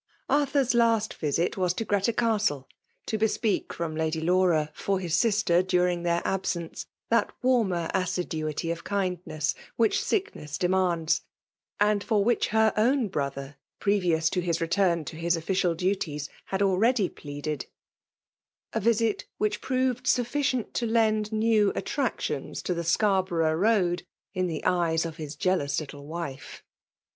Arthiir's last visit was to Greta Castle, to bespeak from Lady laura^ tdt hiB sister, daring their absence, that warmer assiduity of kindness which sickness demands, and for which her own brother, previous to his return to his official duties, had already pleaded; a visit which proved sufficient to 96 FICMALE DOMINATION. lend new attractions to the Sbarbctougli road, in the eyes of his jealous little wife.